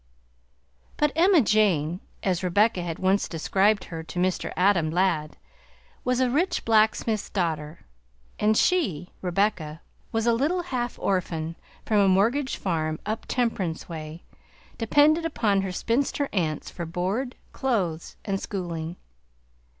But Emma Jane, as Rebecca had once described her to Mr. Adam Ladd, was a rich blacksmith's daughter, and she, Rebecca, was a little half orphan from a mortgaged farm "up Temperance way," dependent upon her spinster aunts for board, clothes, and schooling.